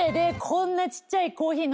こんなちっちゃいコーヒー。